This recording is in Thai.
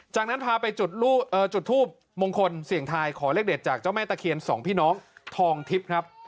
จากนั้นพาไปจุดทูบมงคลเสี่ยงทายขอเลขเด็ดจากเจ้าแม่ตะเคียนสองพี่น้องทองทิพย์ครับ